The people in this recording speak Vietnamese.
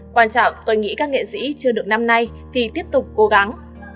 quan trọng tôi nghĩ các nghệ sĩ chưa được năm nay thì tiếp tục cố gắng